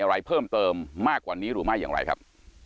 อะไรเพิ่มเติมมากกว่านี้หรือไม่อย่างไรครับ